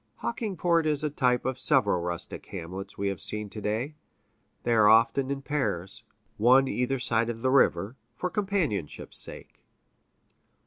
Hockingport is a type of several rustic hamlets we have seen to day; they are often in pairs, one either side of the river, for companionship's sake.